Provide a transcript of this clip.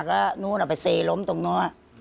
ก็นู้นเอาไปเซล้มตรงนู้น